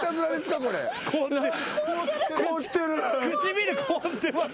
唇凍ってます。